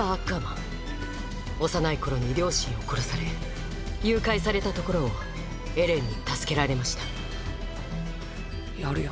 幼い頃に両親を殺され誘拐されたところをエレンに助けられましたやるよ